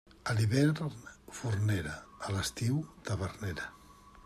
A l'hivern fornera, a l'estiu tavernera.